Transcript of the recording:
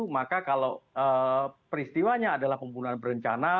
maka kalau peristiwanya adalah pembunuhan berencana